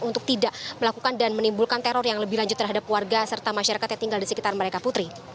untuk tidak melakukan dan menimbulkan teror yang lebih lanjut terhadap warga serta masyarakat yang tinggal di sekitar mereka putri